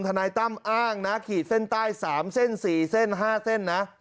นายตั้มอ้างนะขีดเส้นใต้๓เส้น๔เส้น๕เส้นนะ